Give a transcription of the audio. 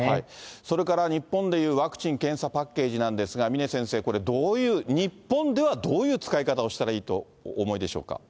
それから日本でいうワクチン・検査パッケージなんですが、峰先生、日本ではどういう使い方をしたらいいとお思いでしょうか。